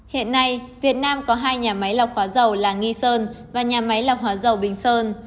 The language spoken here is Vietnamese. hiện nay việt nam có hai nhà máy lọc hóa dầu là nghi sơn và nhà máy lọc hóa dầu bình sơn